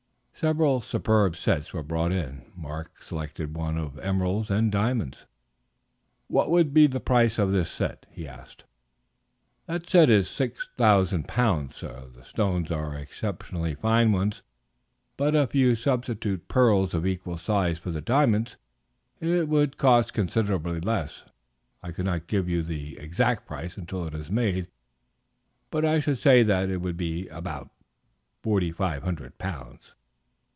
Several superb sets were brought in; Mark selected one of emeralds and diamonds. "What would be the price of this set?" he asked. "That set is 6000 pounds, sir; the stones are exceptionally fine ones; but if you substituted pearls of equal size for the diamonds, it would cost considerably less; I could not give you the exact price until it is made, but I should say that it would be about 4500 pounds."